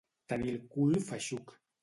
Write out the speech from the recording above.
Tenir el cul feixuc.